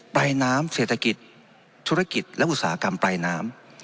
ปลายน้ำเศรษฐกิจธุรกิจและอุตสาหกรรมปลายน้ำ